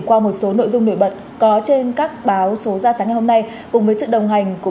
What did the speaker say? qua một số nội dung nổi bật có trên các báo số ra sáng ngày hôm nay cùng với sự đồng hành của